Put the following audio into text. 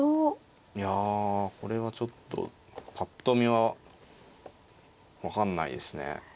いやこれはちょっとぱっと見は分かんないですね。